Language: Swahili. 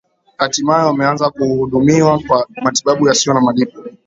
hatimaye wameanza kuhudumiwa kwa matibabu yasiyo na malipo